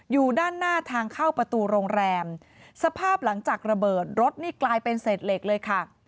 อยู่ด้านหน้าทางเข้าประตูโรงแรมสภาพหลังจากระเบิดรถนี่กลายเป็นเศษเหล็กเลยค่ะ